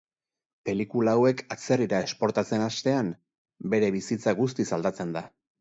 Pelikula hauek atzerrira esportatzen hastean, bere bizitza guztiz aldatzen da.